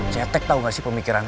cetek tau nggak sih pemikiran lo